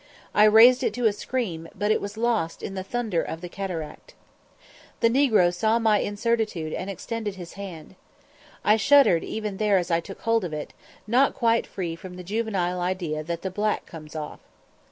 I raised it to a scream, but it was lost in the thunder of the cataract. The negro saw my incertitude and extended his hand. I shuddered even there as I took hold of it, not quite free from the juvenile idea that "the black comes off."